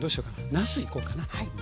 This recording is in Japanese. なすいこうかな。